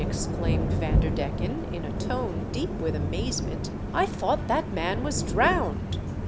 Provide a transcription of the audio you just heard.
exclaimed Vander decken, in a tone deep with amazement, I thought that man was drowned